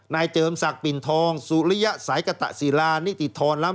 นายเจิมศักดิ์ปิ่นทองสุริยะสายกะตะสีลานิติธรรม